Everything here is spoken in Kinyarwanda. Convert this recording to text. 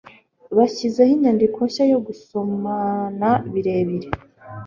Bashyizeho inyandiko nshya yo gusomana birebire.